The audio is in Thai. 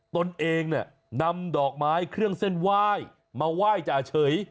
ตนเองเนี่ยนำดอกไม้เครื่องเส้นไหว้มาไหว้จ่าเฉย